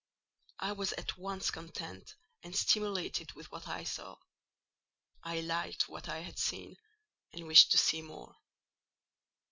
I was at once content and stimulated with what I saw: I liked what I had seen, and wished to see more.